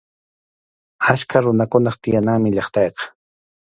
Achka runakunap tiyananmi llaqtaqa.